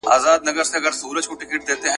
د دښمن پر زړه وهلی بیرغ غواړم !.